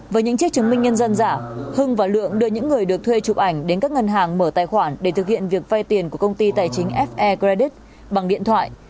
với những chiếc chứng minh nhân dân giả hưng và lượng đưa những người được thuê chụp ảnh đến các ngân hàng mở tài khoản để thực hiện việc vay tiền của công ty tài chính fe credit bằng điện thoại